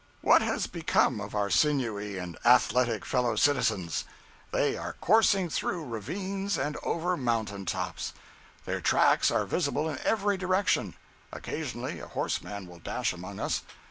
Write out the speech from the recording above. What has become of our sinewy and athletic fellow citizens? They are coursing through ravines and over mountain tops. Their tracks are visible in every direction. Occasionally a horseman will dash among us.